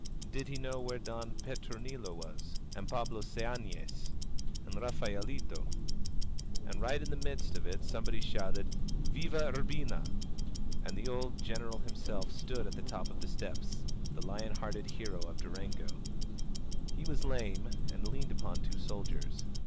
Did he know where Don Petronilo was? And Pablo Seanes? And Raphaelito? And right in the midst of it somebody shouted Viya Ur bina!" and the old Greneral himself stood at the top of the steps, — the lion hearted hero of Durango. He was lame, and leaned upon two soldiers.